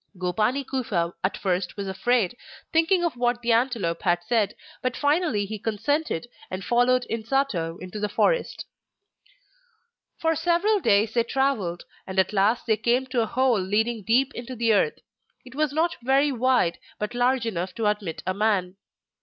Gopani Kufa at first was afraid, thinking of what the antelope had said, but finally he consented and followed Insato into the forest. For several days they travelled, and at last they came to a hole leading deep into the earth. It was not very wide, but large enough to admit a man.